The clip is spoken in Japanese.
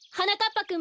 ぱくん